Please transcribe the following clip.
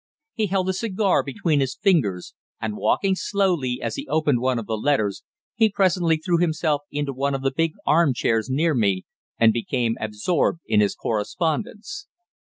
He held a cigar between his fingers, and, walking slowly as he opened one of the letters, he presently threw himself into one of the big arm chairs near me, and became absorbed in his correspondence.